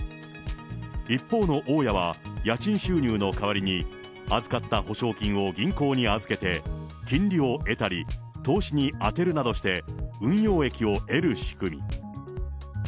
一方の大家は、家賃収入の代わりに預かった保証金を銀行に預けて、金利を得たり、投資に充てるなどして、運用益を得る仕組み。